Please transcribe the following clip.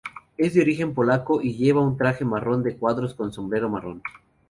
Es de origen polaco y lleva un traje marrón de cuadros con sombrero marrón.